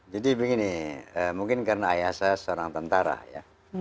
jadi begini mungkin karena ayah saya seorang tentara ya